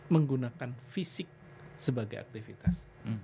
menggunakan fisik sebagai aktivitas